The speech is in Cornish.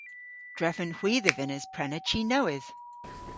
Drefen hwi dhe vynnes prena chi nowydh.